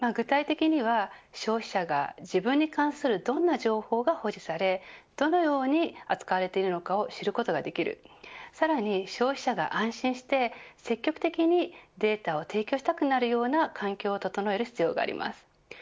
具体的には消費者が自分に関するどんな情報が保持されどのように扱われているのかを知ることができるさらに消費者が安心して積極的にデータを提供したくなるような環境を整える必要があります。